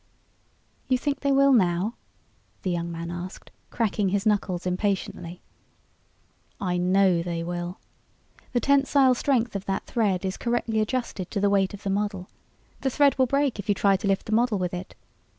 "You think they will now?" the young man asked, cracking his knuckles impatiently. "I know they will. The tensile strength of that thread is correctly adjusted to the weight of the model. The thread will break if you try to lift the model with it.